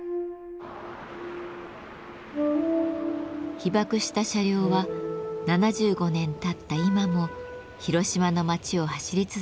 被爆した車両は７５年たった今も広島の街を走り続けています。